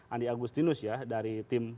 andi agustinus ya dari tim